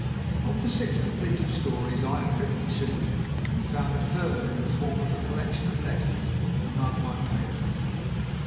Of the six completed stories I had written two, and had found a third in the form of a collection of letters among my papers.